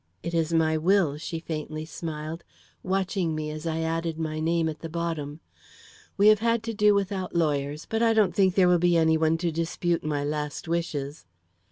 "It is my will," she faintly smiled, watching me as I added my name at the bottom. "We have had to do without lawyers, but I don't think there will be any one to dispute my last wishes."